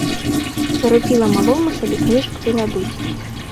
Зарупіла малому сабе кніжак прыдабыць.